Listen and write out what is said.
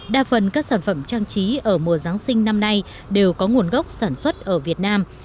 đa phần các sản phẩm trang trí ở mùa giáng sinh năm nay đều có nguồn gốc sản xuất ở việt nam